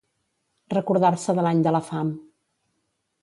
Recordar-se de l'any de la fam.